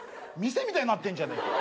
店みたいになってんじゃねえか！